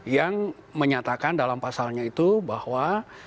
yang menyatakan dalam pasalnya itu bahwa